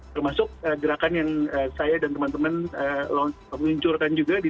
termasuk gerakan yang saya dan teman teman meluncurkan juga di dua ribu tujuh belas